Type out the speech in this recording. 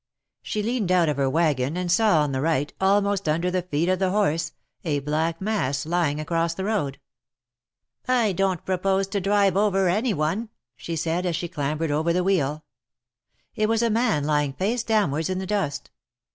She leaned out of her wagon, and saw on the right, almost under the feet of the horse, a black mass lying across the road. I don't propose to drive over any one," she said, as she clambered over the wheel. THE MAEKETS OF PARIS. 23 It was a man lying face downwards in the dust.